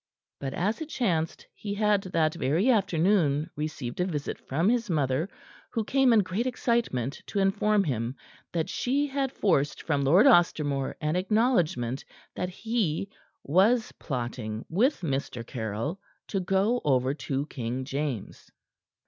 But as it chanced, he had that very afternoon received a visit from his mother, who came in great excitement to inform him that she had forced from Lord Ostermore an acknowledgment that he was plotting with Mr. Caryll to go over to King James.